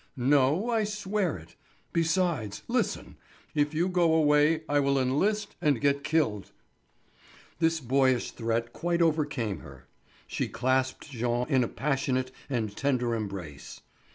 "No, I swear it. Besides, listen, if you go away I will enlist and get killed." This boyish threat quite overcame her; she clasped Jean in a passionate and tender embrace.